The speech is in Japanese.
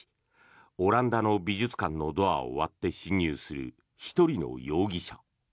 オランダの美術館のドアを割って侵入する１人の容疑者。